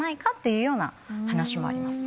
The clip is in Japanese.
いうような話もあります。